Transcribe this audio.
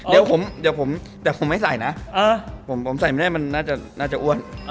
เดี๋ยวผมไม่ใส่นะผมใส่ไม่ได้มันน่าจะอ้วน